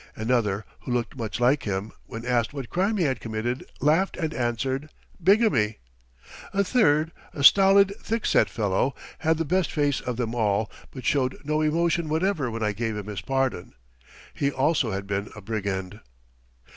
Another, who looked much like him, when asked what crime he had committed, laughed and answered, "Bigamy!" A third, a stolid, thickset fellow, had the best face of them all, but showed no emotion whatever when I gave him his pardon. He also had been a brigand.